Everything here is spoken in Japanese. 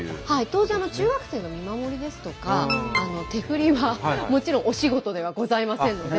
当然中学生の見守りですとか手振りはもちろんお仕事ではございませんので。